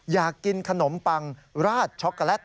อยากกินขนมปังราดช็อกโกแลต